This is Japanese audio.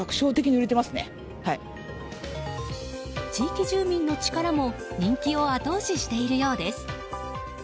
地域住民の力も人気を後押ししているようです。